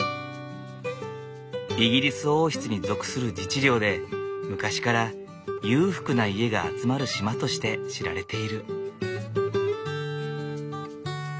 イギリス王室に属する自治領で昔から裕福な家が集まる島として知られている。